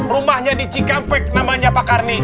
rumahnya di cikampek namanya pak karni